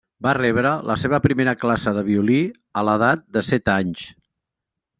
Va rebre la seva primera classe de violí a l'edat de set anys.